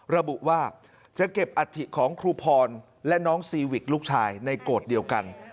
ระบุว่าจะเก็บอัฐิของครูพรและน้องซีวิกลูกชายในโกรธเดียวกัน